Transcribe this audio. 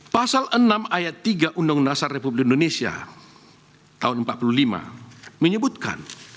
pasal enam ayat tiga undang undang dasar republik indonesia tahun seribu sembilan ratus empat puluh lima menyebutkan